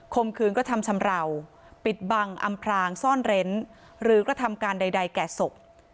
มคืนกระทำชำราวปิดบังอำพรางซ่อนเร้นหรือกระทำการใดแก่ศพ